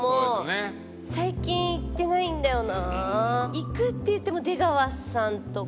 行くっていっても出川さんとか。